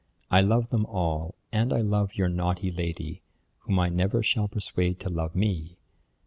I love them all, and I love your naughty lady, whom I never shall persuade to love me.